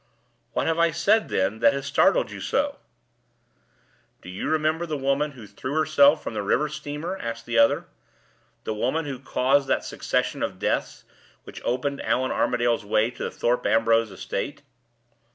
"What have I said, then, that has startled you so?" "Do you remember the woman who threw herself from the river steamer?" asked the other "the woman who caused that succession of deaths which opened Allan Armadale's way to the Thorpe Ambrose estate?"